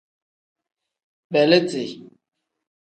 Beeliti.